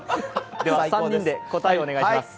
では、３人で答えをお願いします。